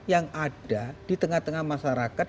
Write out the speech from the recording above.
yang ada di tengah tengah masyarakat